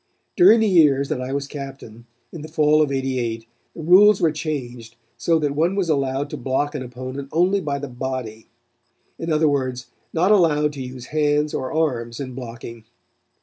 During the years that I was captain, in the fall of '88 the rules were changed so that one was allowed to block an opponent only by the body. In other words, not allowed to use hands or arms in blocking.